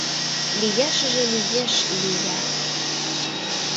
— Лияшыже лиеш, Лия...